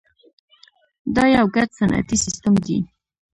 دا یو ګډ صنعتي سیستم دی.